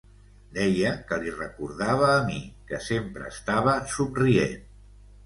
Deia que li recordava a mi, que sempre estava somrient!